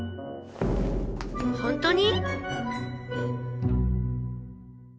本当に？